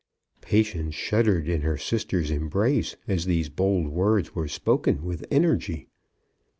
Patience shuddered in her sister's embrace, as these bold words were spoken with energy.